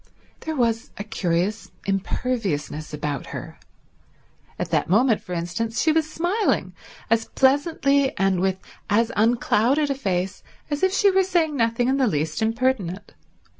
There was a curious imperviousness about her. At that moment, for instance, she was smiling as pleasantly and with as unclouded a face as if she were saying nothing in the least impertinent.